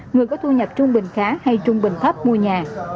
người có thu nhập trung bình khá hay trung bình thấp mua nhà